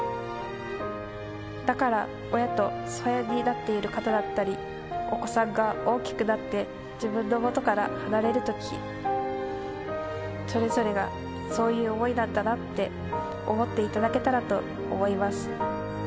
だから親と疎遠になっている方だったり、お子さんが大きくなって自分のもとから離れるとき、それぞれがそういう思いなんだなって思っていただけたらと思います。